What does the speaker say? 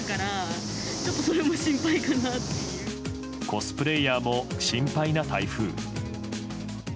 コスプレーヤーも心配な台風。